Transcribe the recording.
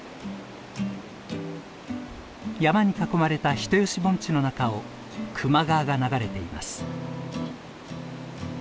山に囲まれた人吉盆地の中を球磨川が流れています。